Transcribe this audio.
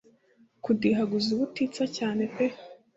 kudihaguza ubutitsa cyane pe